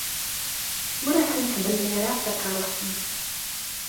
Ur asen-ttdemmireɣ takeṛṛust-nsen.